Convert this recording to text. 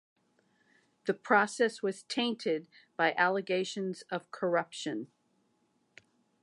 The process was tainted by allegations of corruption.